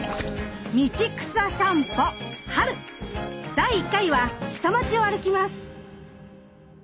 第１回は下町を歩きます。